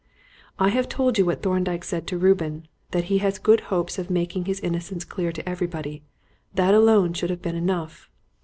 "I have told you what Thorndyke said to Reuben: that he had good hopes of making his innocence clear to everybody. That alone should have been enough."